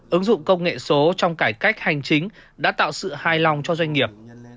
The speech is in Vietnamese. ứng dụng công nghệ số trong cải cách hành chính đã tạo sự hài lòng cho doanh nghiệp